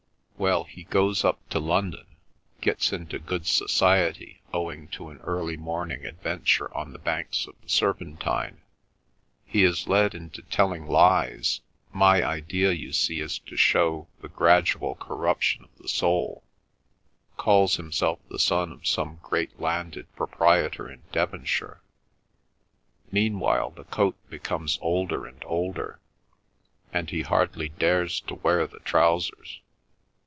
Well, he goes up to London, gets into good society, owing to an early morning adventure on the banks of the Serpentine. He is led into telling lies—my idea, you see, is to show the gradual corruption of the soul—calls himself the son of some great landed proprietor in Devonshire. Meanwhile the coat becomes older and older, and he hardly dares to wear the trousers.